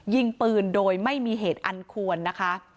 ยิงปืนโดยไม่มีเหตุอันควรนะคะ